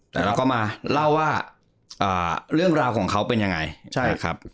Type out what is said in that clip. แต่เราก็มาเล่าว่าเรื่องราวของเขาเป็นยังไงใช่ครับ